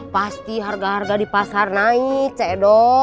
pasti harga harga di pasar naik cedo